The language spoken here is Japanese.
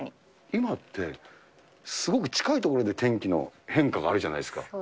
今って、すごく近い所で天気の変化があるじゃないですか。